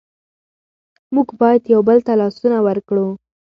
موږ باید یو بل ته لاسونه ورکړو.